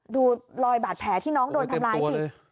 ดูลอยบาดแผลที่น้องโดนทำร้ายโดยเต็มตัวเลย